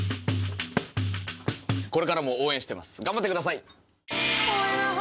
これからも応援してます頑張ってください。